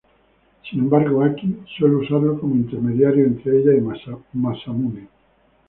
Sin embargo Aki suele usarlo como intermediario entre ella y Masamune.